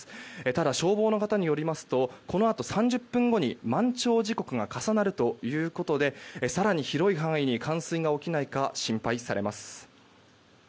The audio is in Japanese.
ただ、消防の方によりますとこのあと３０分後に満潮時刻が重なるということで更に広い範囲に冠水が起きないか心配されます。